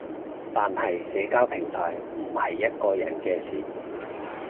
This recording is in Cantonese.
但係社交平台唔係一個人嘅事